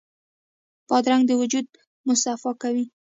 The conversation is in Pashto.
بادرنګ د وجود مصفا کوي.